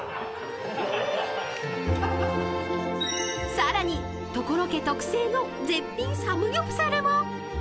［さらに所家特製の絶品サムギョプサルも］